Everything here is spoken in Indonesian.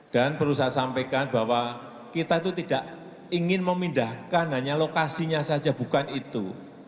dan perlu saya sampaikan bahwa kita itu tidak ingin memindahkan hanya lokasinya saja bukan itu